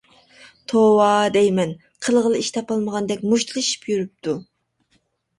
توۋا دەيمەن! قىلغىلى ئىش تاپالمىغاندەك مۇشتلىشىپ يۈرۈپتۇ.